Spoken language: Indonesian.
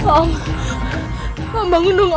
om om bangun dong om